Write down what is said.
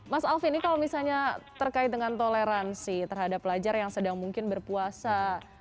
mas alvin ini kalau misalnya terkait dengan toleransi terhadap pelajar yang sedang mungkin berpuasa